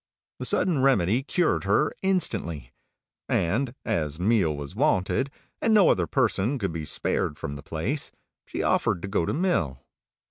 The Sudden Remedy cured her instantly; and as meal was wanted, and no other person could be spared from the place, she offered to go to mill.